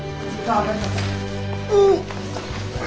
誰？